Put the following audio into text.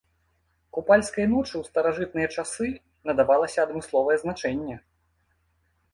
Купальскай ночы ў старажытныя часы надавалася адмысловае значэнне.